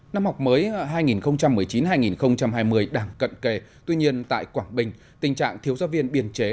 năm học mới hai nghìn một mươi chín hai nghìn hai mươi đang cận kề tuy nhiên tại quảng bình tình trạng thiếu giáo viên biên chế